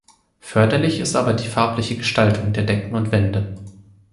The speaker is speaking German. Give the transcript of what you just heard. Förderlich ist aber die farbliche Gestaltung der Decken und Wände.